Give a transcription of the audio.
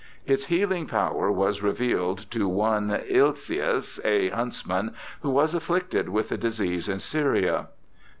Its healing power was revealed to one Ilceus, a hunts man, who was afflicted with the disease in Syria.